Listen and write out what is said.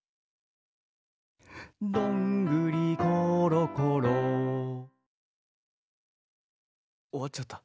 「どんぐりころころ」終わっちゃった。